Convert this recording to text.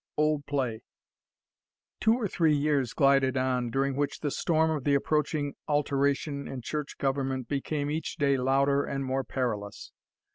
OLD PLAY. Two or three years glided on, during which the storm of the approaching alteration in church government became each day louder and more perilous.